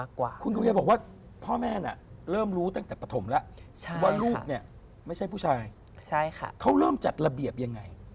เขาเริ่มจัดระเบียบยังไง